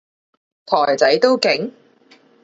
台仔都勁？